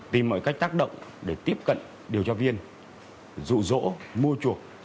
tìm mọi cách tác động để tiếp cận điều tra viên rụ rỗ mua chuộc